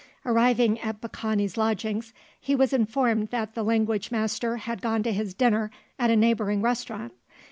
Arrived at Baccani's lodgings, he was informed that the language master had gone to his dinner at a neighbouring restaurant.